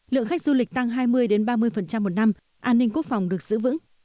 lượng khách du lịch tăng hai mươi ba mươi một năm an ninh quốc phòng được giữ vững